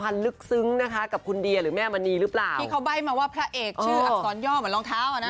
ชื่ออักษรย่อเหมือนรองเท้าอ่ะนะ